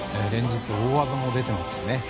連日、大技が出ていますね。